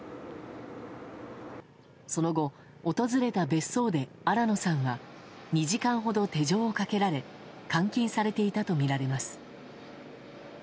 その後、訪れた別荘で新野さんは２時間ほど手錠をかけられ監禁されていたとみられます。